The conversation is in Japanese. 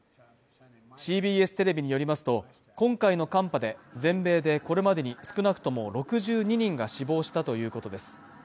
ＣＢＳテレビによりますと今回の寒波で全米でこれまでに少なくとも６２人が死亡したということです